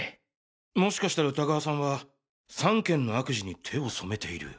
もしかしたら歌川さんは３件の悪事に手をそめている。